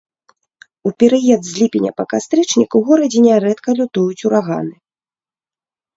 У перыяд з ліпеня па кастрычнік у горадзе нярэдка лютуюць ураганы.